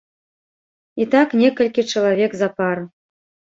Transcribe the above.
І так некалькі чалавек запар.